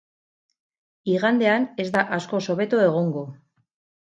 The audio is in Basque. Igandean ez da askoz hobeto egongo.